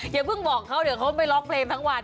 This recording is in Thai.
อย่าเพิ่งบอกเขาเดี๋ยวเขาไปร้องเพลงทั้งวัน